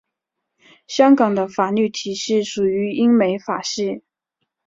香港的法律体系属于英美法系。